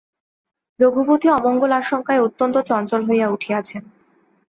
রঘুপতি অমঙ্গল-আশঙ্কায় অত্যন্ত চঞ্চল হইয়া উঠিয়াছেন।